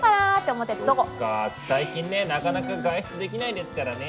そっか最近ねえなかなか外出できないですからね。